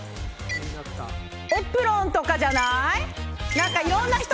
エプロンとかじゃない？